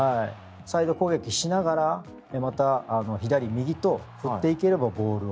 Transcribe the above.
サイド攻撃しながらまた左、右と振っていければ、ボールを。